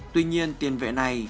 tuy nhiên tiền vệ này